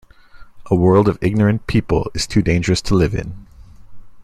A world of ignorant people is too dangerous to live in.